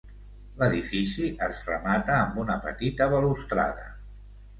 L'edifici es remata amb una petita balustrada.